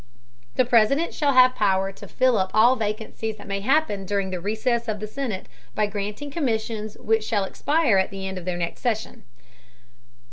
The President shall have Power to fill up all Vacancies that may happen during the Recess of the Senate, by granting Commissions which shall expire at the End of their next Session.